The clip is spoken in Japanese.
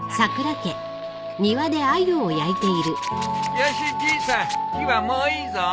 よしじいさん火はもういいぞ。